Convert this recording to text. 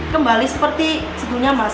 kembali seperti sebelumnya mas